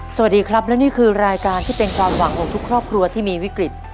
สวัสดีครับและนี่คือรายการที่เป็นความหวังของทุกครอบครัวที่มีวิกฤต